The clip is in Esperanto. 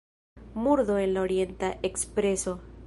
Murdo en la Orienta Ekspreso.